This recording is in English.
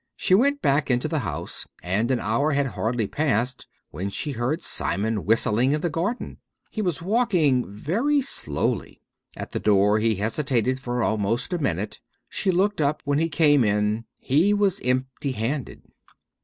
She went back into the house and an hour had hardly passed when she heard Simon whistling in the garden. He was walking very slowly. At the door he hesitated for almost a minute. She looked up when he came in. He was empty handed.